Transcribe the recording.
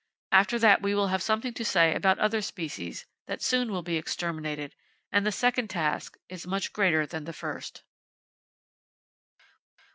After that we will have something to say about other species that soon will be exterminated; and the second task is much greater than the first.